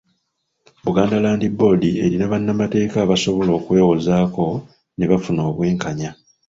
Buganda Land Board erina bannamateeka abasobola okwewozaako ne bafuna obwenkanya.